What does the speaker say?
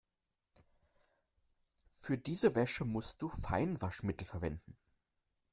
Für diese Wäsche musst du Feinwaschmittel verwenden.